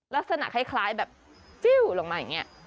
ลักษณะคล้ายแบบฟิ้วลงมาอย่างนี้